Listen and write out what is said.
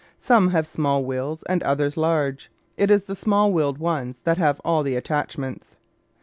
Some have small wheels and others large. It is the small wheeled ones that have all the attachments.